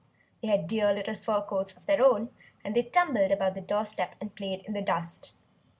They had dear little fur coats of their own; and they tumbled about the doorstep and played in the dust.